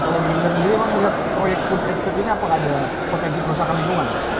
kalau menurut anda sendiri menurut proyek food estate ini apakah ada potensi perusahaan lingkungan